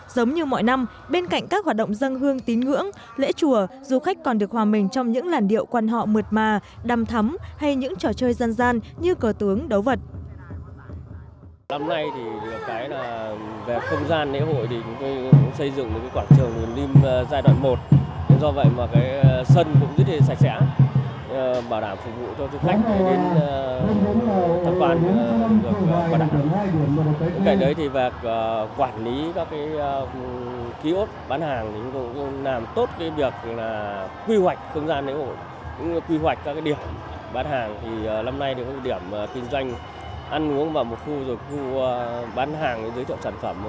giống như mọi năm bên cạnh các hoạt động dân hương tín ngưỡng lễ chùa du khách còn được hòa mình trong những làn điệu quần họ mượt mà đầm thắm hay những trò chơi gian gian như cờ tướng đấu vật